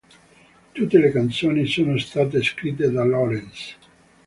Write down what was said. Tutte le canzoni sono state scritte da Lawrence.